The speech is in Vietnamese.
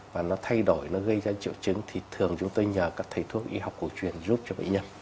và nó thay đổi nó gây ra triệu chứng thì thường chúng tôi nhờ các thầy thuốc y học cổ truyền giúp cho bệnh nhân